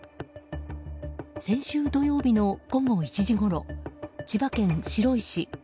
先週土曜日の午後１時ごろ千葉県白井市。